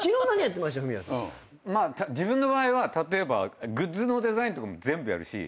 自分の場合は例えばグッズのデザインとかも全部やるし。